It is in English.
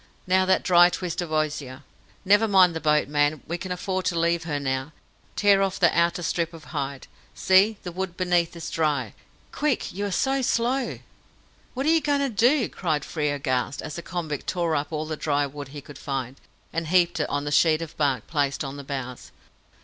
Now that dry twist of osier! Never mind the boat, man; we can afford to leave her now. Tear off that outer strip of hide. See, the wood beneath is dry! Quick you are so slow." "What are you going to do?" cried Frere, aghast, as the convict tore up all the dry wood he could find, and heaped it on the sheet of bark placed on the bows.